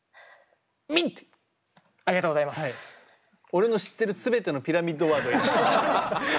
俺の知ってる全てのピラミッドワード入れた。